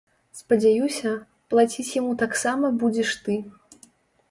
Спадзяюся, плаціць яму таксама будзеш ты!!!.